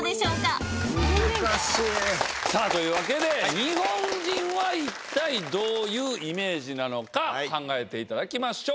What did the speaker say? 日本人は一体どういうイメージなのか考えていただきましょう！